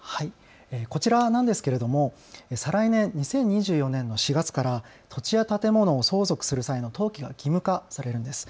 こちらなんですけれども再来年２０２４年の４月から土地や建物を相続する際の登記が義務化されるんです。